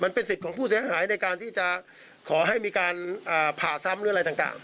สิทธิ์ของผู้เสียหายในการที่จะขอให้มีการผ่าซ้ำหรืออะไรต่าง